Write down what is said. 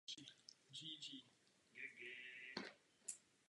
Rozšířili jsme ho.